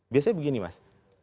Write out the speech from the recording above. biasanya begini mas